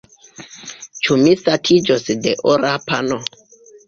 Ĉu mi satiĝos de ora pano?